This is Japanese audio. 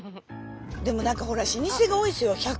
でも何かほら老舗が多いですよ。